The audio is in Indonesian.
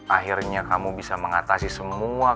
akhirnya kamu bisa mengatasi semua